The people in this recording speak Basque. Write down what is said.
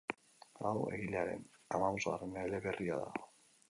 Hau egilearen hamabosgarren eleberria da.